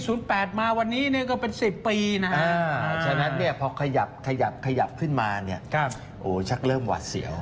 สะท้อนในเรื่องของเศรษฐกิจที่กำลังฟื้นตัว